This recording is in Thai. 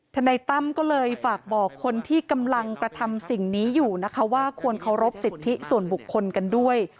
นายตั้มก็เลยฝากบอกคนที่กำลังกระทำสิ่งนี้อยู่นะคะว่าควรเคารพสิทธิส่วนบุคคลกันด้วย